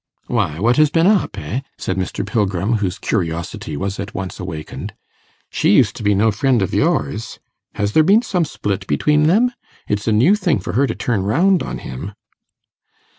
'Why, what has been up, eh?' said Mr. Pilgrim, whose curiosity was at once awakened. 'She used to be no friend of yours. Has there been some split between them? It's a new thing for her to turn round on him.